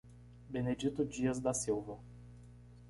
Benedito Dias da Silva